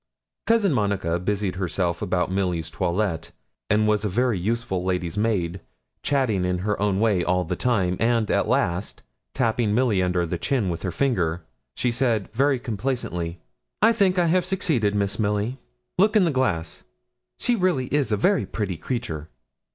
Cousin Monica busied herself about Milly's toilet, and was a very useful lady's maid, chatting in her own way all the time; and, at last, tapping Milly under the chin with her finger, she said, very complacently 'I think I have succeeded, Miss Milly; look in the glass. She really is a very pretty creature.'